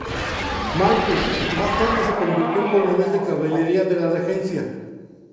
Malthus, más tarde se convirtió en coronel de caballería por la regencia.